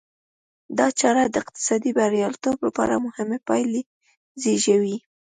دا چاره د اقتصادي بریالیتوب لپاره مهمې پایلې زېږوي.